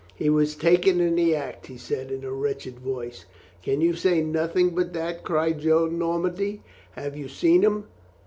"He was taken in the act," he said in a wretched voice. "Can you say nothing but that?" cried Joan Normandy. "Have you seen him?"